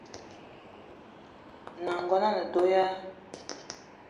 N’nagono a ne do ya ?